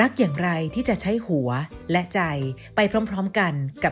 สวัสดีค่ะ